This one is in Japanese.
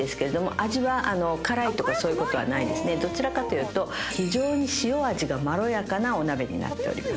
どちらかというと非常に塩味がまろやかなお鍋になっております。